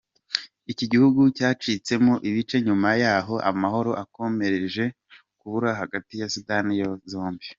Iki gihugu cyacitsemo ibice nyuma yaho amahoro akomereje kubura hagati ya Sudani zombi.